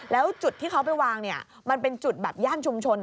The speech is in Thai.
แล้วจุดที่เขาไปวางเนี่ยมันเป็นจุดแบบย่านชุมชน